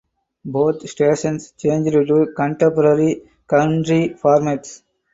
Both stations changed to contemporary country formats.